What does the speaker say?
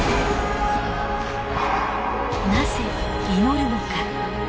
なぜ祈るのか。